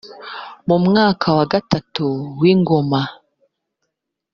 mu mwaka wa gatatu w ingoma